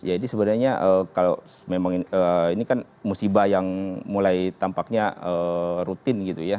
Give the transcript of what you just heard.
ya ini sebenarnya kalau memang ini kan musibah yang mulai tampaknya rutin gitu ya